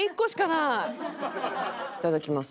いただきます。